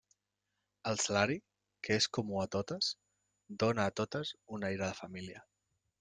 El salari, que és comú a totes, dóna a totes un aire de família.